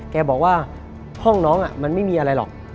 แกบอกว่าห้องน้องมันไม่มีอะไรหรอก